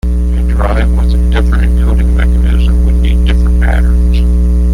A drive with a different encoding mechanism would need different patterns.